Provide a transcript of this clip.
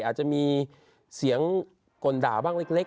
อาจจะมีเสียงกลด่าบ้างเล็ก